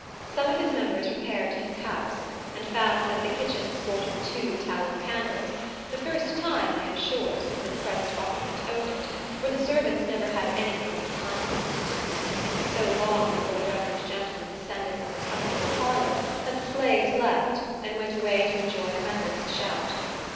Some of his members repaired to his house, and found that the kitchen sported two tallow candles; the first time, I am sure, since its present occupant owned it, for the servants never had any thing but pine knots. It was so long before the reverend gentleman descended from his comfortable parlor that the slaves left, and went to enjoy a Methodist shout.